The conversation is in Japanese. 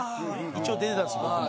一応出てたんです僕も。